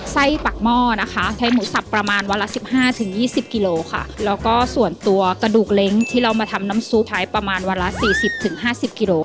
ใส้ปากหม้อนะคะใช้หมูสับประมาณวันละ๑๕๒๐กิโลกรัมค่ะแล้วก็ส่วนตัวกระดูกเล้งที่เรามาทำน้ำซุปใช้ประมาณวันละ๔๐๕๐กิโลกรัม